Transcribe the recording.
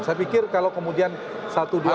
saya pikir kalau kemudian satu dua